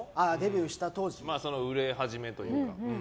売れ始めというか。